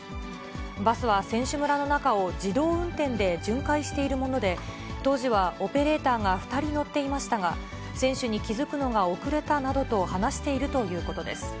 バスは選手村の中を自動運転で巡回しているもので、当時はオペレーターが２人乗っていましたが、選手に気付くのが遅れたなどと話しているということです。